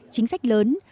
chính sách lớn